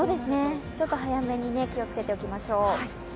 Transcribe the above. ちょっと早めに気をつけておきましょう。